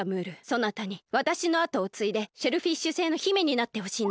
そなたにわたしのあとをついでシェルフィッシュ星の姫になってほしいのだ。